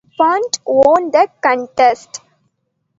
Punt won the contest.